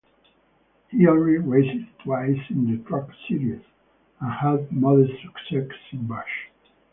He only raced twice in the truck series, and had modest success in Busch.